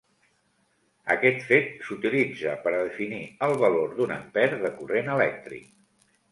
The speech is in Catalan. Aquest fet s'utilitza per a definir el valor d'un ampere de corrent elèctric.